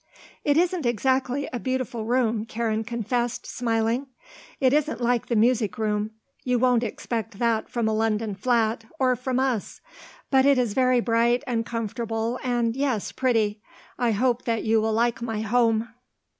"It isn't exactly a beautiful room," Karen confessed, smiling. "It isn't like the music room; you won't expect that from a London flat or from us. But it is very bright and comfortable and, yes, pretty. I hope that you will like my home."